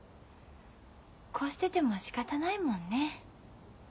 こうしててもしかたないもんね。